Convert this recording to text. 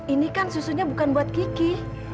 ini kan susunya bukan buat kiki